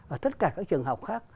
ở tất cả các trường học khác